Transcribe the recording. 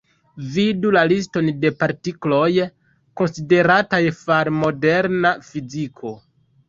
Vidu la liston de partikloj, konsiderataj far moderna fiziko.